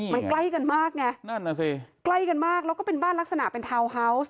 มันใกล้กันมากไงนั่นน่ะสิใกล้กันมากแล้วก็เป็นบ้านลักษณะเป็นทาวน์ฮาวส์